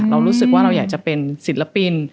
เรารู้สึกว่าเราอยากจะเป็นศิลปิน